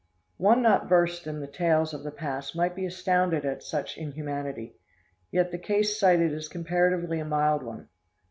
One not versed in the tales of the past might be astounded at such inhumanity; yet the case cited is comparatively a mild one.